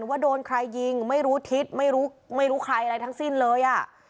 ว่าโดนใครยิงไม่รู้ทิศไม่รู้ไม่รู้ใครอะไรทั้งสิ้นเลยอ่ะ